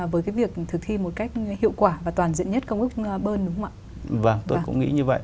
với cái việc thực thi một cách hiệu quả và toàn diện nhất công ước bơn đúng không ạ